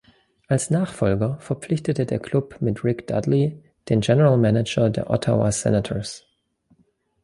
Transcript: Als Nachfolger verpflichtete der Klub mit Rick Dudley den General Manager der Ottawa Senators.